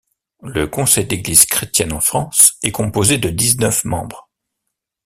Le Conseil d'Églises chrétiennes en France est composé de dix-neuf membres.